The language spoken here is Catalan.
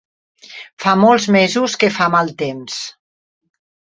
Fa molts mesos que fa mal temps.